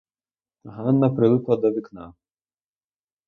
Ганна прилипла до вікна.